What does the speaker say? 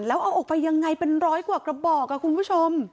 แล้วเอาออกไปยังไงเป็นร้อยกว่ากระบอกคุณผู้ชม